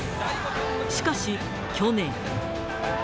しかし、去年。